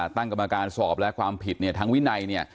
ตั้งกรรมการสอบและความผิดเนี่ยทางวินัยเนี่ย